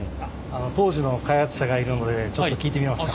当時の開発者がいるのでちょっと聞いてみますか？